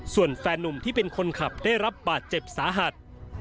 ส่วนแฟนนุ่มที่เป็นคนขับได้รับบาดเจ็บสาหัส